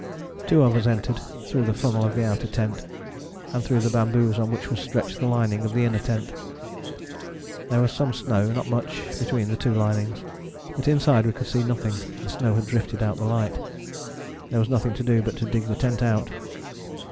Two of us entered, through the funnel of the outer tent, and through the bamboos on which was stretched the lining of the inner tent. There was some snow not much between the two linings. But inside we could see nothing the snow had drifted out the light. There was nothing to do but to dig the tent out.